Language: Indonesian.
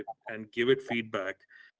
dan memberikan feedback